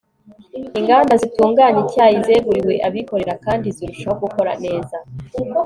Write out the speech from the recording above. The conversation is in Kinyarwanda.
inganda zitunganya icyayi zeguriwe abikorera kandi zirushaho gukora neza